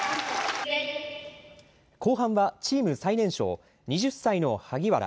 後半はチーム最年少、２０歳の萩原。